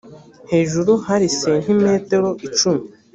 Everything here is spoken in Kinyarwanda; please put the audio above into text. hejuru hari sentimetero icumi.